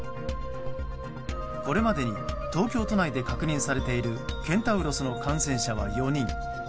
これまでに東京都内で確認されているケンタウロスの感染者は４人。